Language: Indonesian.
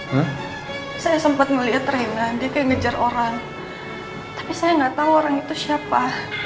hai saya sempat melihat rina dia ke ngejar orang tapi saya nggak tahu orang itu siapa